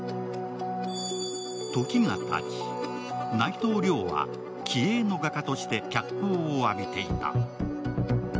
時がたち、内藤亮は気鋭の画家として脚光を浴びていた。